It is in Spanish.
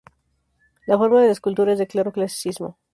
La forma de la escultura es de claro clasicismo.